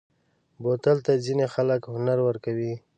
بوتل ته ځینې خلک هنر ورکوي.